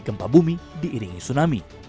gempa bumi diiringi tsunami